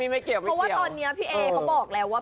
วันนี้พี่เอเขาบอกแล้วว่า